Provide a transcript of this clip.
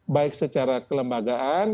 baik secara kelembagaan